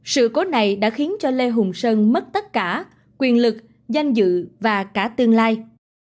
sự cố này đã khiến cho lê hùng sơn mất tất cả quyền lực danh dự và cả tương lai